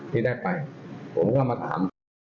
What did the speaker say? ที่ได้ไปผมก็มาถาม